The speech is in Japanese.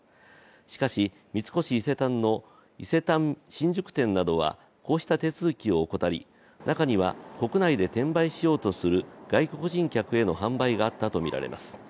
しかし三越伊勢丹の伊勢丹新宿店などはこうした手続きを怠り中には国内で転売しようとする外国人客への販売があったとみられます。